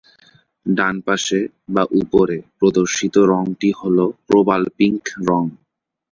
ডানপাশে বা উপরে প্রদর্শিত রঙটি হলো প্রবাল পিঙ্ক রঙ।